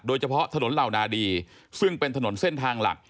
โดยเฉพาะถนนเหล่านาดีซึ่งเป็นถนนเส้นทางหลัก